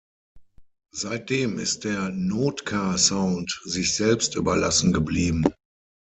Seitdem ist der Nootka Sound sich selbst überlassen geblieben.